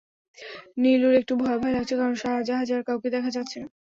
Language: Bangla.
নীলুর একটু ভয়ভয় লাগছে, কারণ জাহাজে আর কাউকে দেখা যাচ্ছে না।